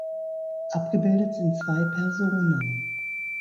Abgebildet sind zwei Personen.